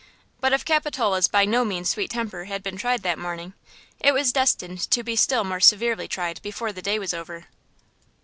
But if Capitola's by no means sweet temper had been tried that morning, it was destined to be still more severely tested before the day was over.